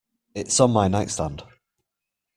It's on my nightstand.